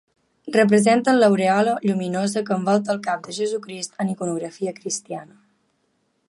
Representen l'aurèola lluminosa que envolta el cap de Jesucrist en iconografia Cristiana.